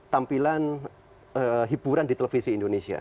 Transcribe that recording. tampilan hiburan di televisi indonesia